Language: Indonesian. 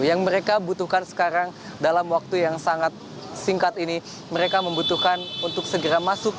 yang mereka butuhkan sekarang dalam waktu yang sangat singkat ini mereka membutuhkan untuk segera masuk